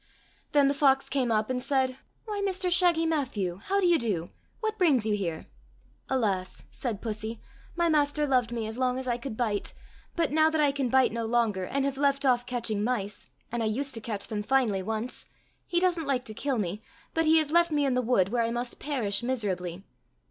Then the fox came up and said, '' Why, Mr Shaggy Matthew ! How d'ye do ! What brings you here }"—" Alas !" said Pussy, *' my master loved me as long as I could bite, but now that I can bite no longer and have left off catching mice — and I used to catch them finely once — he doesn't like to kill me, but he has left me in the wood where I must perish miserably."